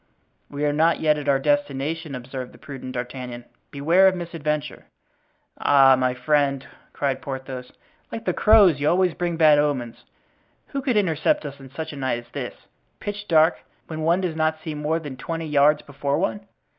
"We are not yet at our destination," observed the prudent D'Artagnan; "beware of misadventure." "Ah, my friend!" cried Porthos, "like the crows, you always bring bad omens. Who could intercept us on such a night as this, pitch dark, when one does not see more than twenty yards before one?"